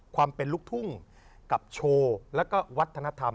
ความเป็นลูกทุ่งกับโชว์แล้วก็วัฒนธรรม